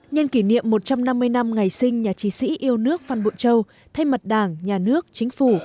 nhân kỷ niệm một trăm năm mươi năm ngày sinh nhà trí sĩ yêu nước phan bội châu thay mặt đảng nhà nước chính phủ